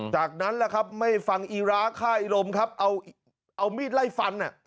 จากนั้นไม่ฟังอีราค่าอีลมเอามีดไล่ฟัน